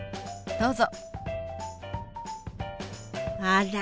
どうぞ。